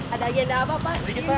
ada agenda apa pak